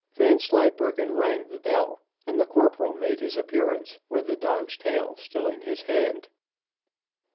Vanslyperken rang the bell, and the corporal made his appearance with the dog's tail still in his hand.